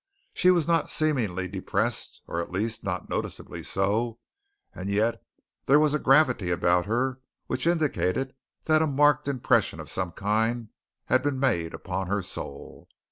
She was not seemingly depressed, or at least, not noticeably so, and yet there was a gravity about her which indicated that a marked impression of some kind had been made upon her soul.